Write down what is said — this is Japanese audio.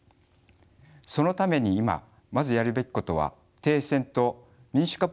そのために今まずやるべきことは「停戦」と「民主化プロセスの再開」です。